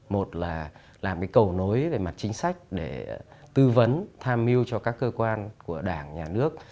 một là làm cái cầu nối về mặt chính sách để tư vấn tham mưu cho các cơ quan của đảng nhà nước